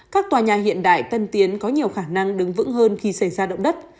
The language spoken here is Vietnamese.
các tòa nhà hiện đại tân tiến có nhiều khả năng đứng vững hơn khi xảy ra động đất